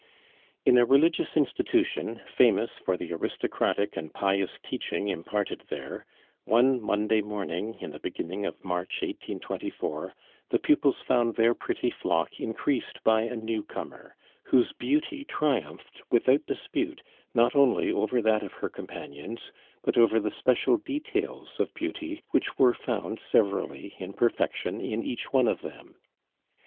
In a religious institution, famous for the aristocratic and pious teaching imparted there, one Monday morning in the beginning of March 1824 the pupils found their pretty flock increased by a newcomer, whose beauty triumphed without dispute not only over that of her companions, but over the special details of beauty which were found severally in perfection in each one of them.